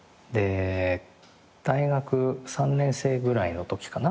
大学３年生ぐらいのときかな？